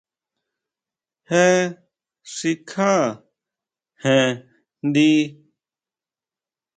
Jé xikjá jen njdi.